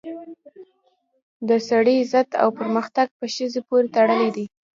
د سړي عزت او پرمختګ په ښځې پورې تړلی دی